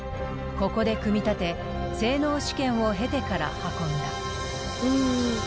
ここで組み立て性能試験を経てから運んだ。